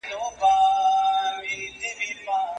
دوی به هم پر یوه بل سترګي را سرې کړي